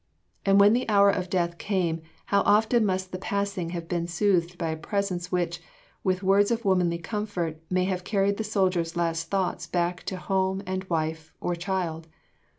" And when the hour of death came, how often must the passing have been soothed by a presence which, with words of womanly comfort, may have carried the soldier's last thoughts back to home and wife, or child?